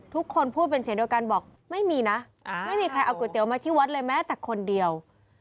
ทุกคนพูดเป็นเสียงเดียวกันบอกไม่มีนะไม่มีใครเอาก๋วมาที่วัดเลยแม้แต่คนเดียว